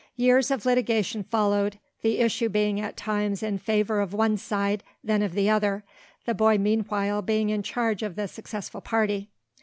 Years of litigation followed, the issue being at times in favor of one side, then of the other, the boy meanwhile being in charge of the successful party.